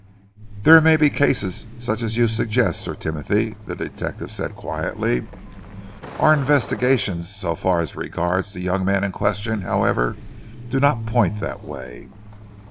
"There may be cases such as you suggest, Sir Timothy," the detective said quietly. "Our investigations, so far as regards the young man in question, however, do not point that way."